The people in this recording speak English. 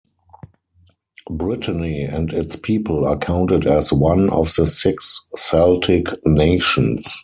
Brittany and its people are counted as one of the six Celtic nations.